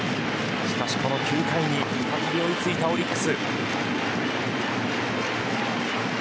しかしこの９回に再び追いついたオリックス。